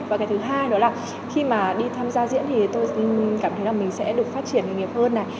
và cái thứ hai đó là khi mà đi tham gia diễn thì tôi cảm thấy là mình sẽ được phát triển nghề nghiệp hơn này